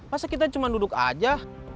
masa kita cuma duduk aja